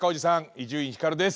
伊集院光です。